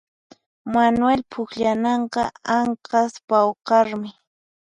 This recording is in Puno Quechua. Manuel pukllananqa anqhas pawqarmi